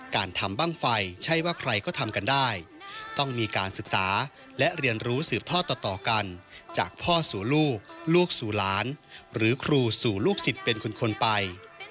การทำบ้างไฟใช่ว่าใครก็ทำกันได้ต้องมีการศึกษาและเรียนรู้สืบทอดต่อกันจากพ่อสู่ลูกลูกสู่หลานหรือครูสู่ลูกศิษย์เป็นคนไป